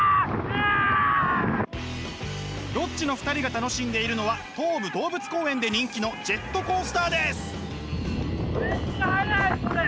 ロッチの２人が楽しんでいるのは東武動物公園で人気のジェットコースターです！